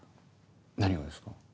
何がですか？